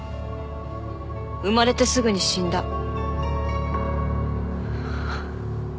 生まれてすぐに死んだ。